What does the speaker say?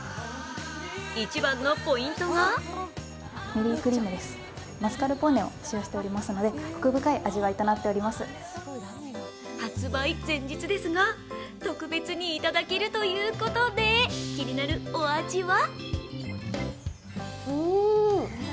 一番のポイントが発売前日ですが、特別にいただけるということで、気になるお味は？